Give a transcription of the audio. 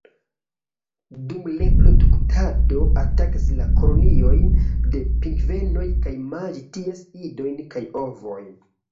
Dum reproduktado atakas la koloniojn de pingvenoj por manĝi ties idojn kaj ovojn.